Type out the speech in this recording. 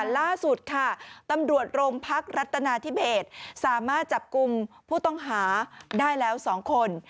ล่าสุดค่ะตำรวจโรงพักรัฐนาธิเบสสามารถจับกลุ่มผู้ต้องหาได้แล้ว๒คน